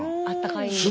あったかい。